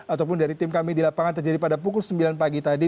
ataupun dari tim kami di lapangan terjadi pada pukul sembilan pagi tadi